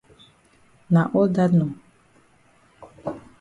Na all dat nor.